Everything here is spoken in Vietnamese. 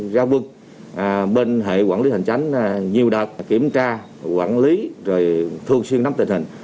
ra quân bên hệ quản lý hành tránh nhiều đợt kiểm tra quản lý rồi thường xuyên nắm tình hình